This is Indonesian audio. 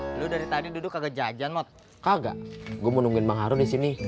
lu dari tadi duduk aja not kagak gue nungguin bang haro di sini